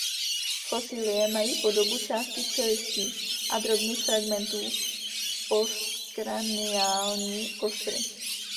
Fosilie mají podobu částí čelistí a drobných fragmentů postkraniální kostry.